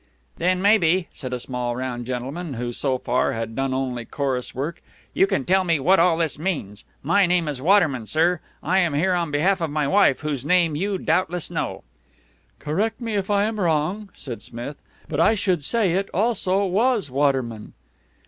"Then, maybe," said a small, round gentleman who, so far, had done only chorus work, "you can tell me what all this means? My name is Waterman, sir. I am here on behalf of my wife, whose name you doubtless know." "Correct me if I am wrong," said Smith, "but I should say it, also, was Waterman."